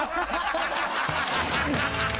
ハハハハ！